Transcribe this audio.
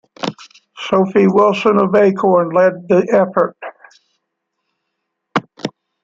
Sophie Wilson of Acorn led the effort.